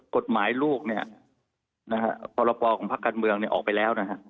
กฎหมายรูปปรปรของภาคการเมืองออกไปแล้ว